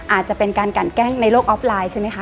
อาจจะเป็นการกันแกล้งในโลกออฟไลน์ใช่ไหมคะ